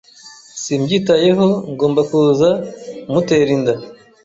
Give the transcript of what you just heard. Simbyitayeho ngomba kuza mutera inda